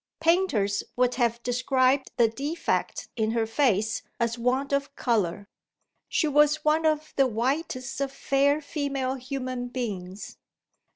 Painters would have described the defect in her face as "want of colour." She was one of the whitest of fair female human beings.